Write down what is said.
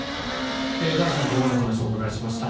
田崎さんにはここまでお話をお伺いしました。